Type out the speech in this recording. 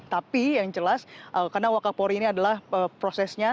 tapi yang jelas karena wakapori ini adalah prosesnya